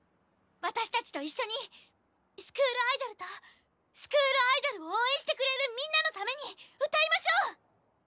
私たちと一緒にスクールアイドルとスクールアイドルを応援してくれるみんなのために歌いましょう！